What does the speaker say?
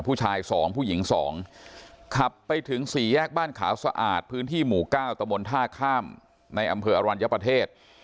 ผู้ชาย๒ผู้หญิง๒ขับไปถึงสี่แยกบ้านขาวสะอาดพื้นที่หมู่เก้าตะมนต์ท่าข้ามในอำเภออรัญญประเทศ